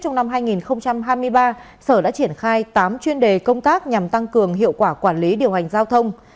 trong năm hai nghìn hai mươi ba sở đã triển khai tám chuyên đề công tác nhằm tăng cường hiệu quả quản lý điều hành giao thông